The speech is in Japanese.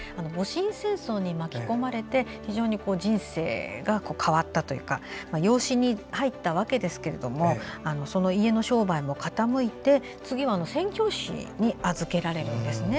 戊辰戦争に巻き込まれて非常に人生が変わったというか養子に入ったわけですがその家の商売も傾いて次は宣教師に預けられるんですね。